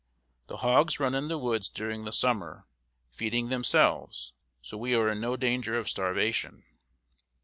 The hogs run in the woods during the summer, feeding themselves; so we are in no danger of starvation."